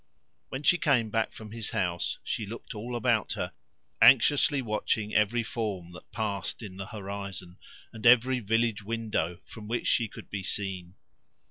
When she came back from his house she looked all about her, anxiously watching every form that passed in the horizon, and every village window from which she could be seen.